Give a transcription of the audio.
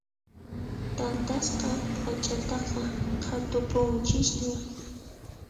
Thantasqa p'achataqa qhatupunchisña.